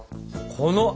この。